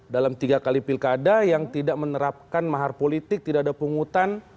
dalam tiga kali pilkada yang tidak menerapkan mahar politik tidak ada pungutan